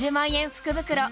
福袋